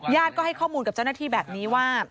ก็ให้ข้อมูลกับเจ้าหน้าที่แบบนี้ว่า